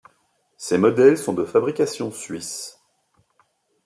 Ces modèles sont de fabrication suisse.